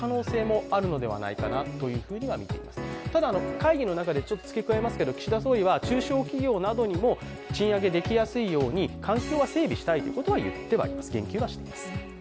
会議の中でつけ加えますけど、岸田総理は中小企業などにも賃上げできやすいように環境は整備したいと言及はしています。